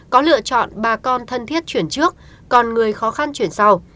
có lựa chọn bà con thân thiết chuyển trước còn người khó khăn chuyển sau